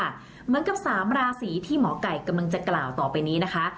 เหมือนกับ๓ราศีที่หมอไก่กำลังจะกล่าวต่อไปนี้นะคะ